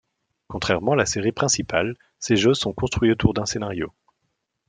Contrairement à la série principale, ces jeux sont construits autour d'un scénario.